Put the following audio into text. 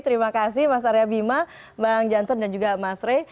terima kasih mas arya bima bang jansen dan juga mas rey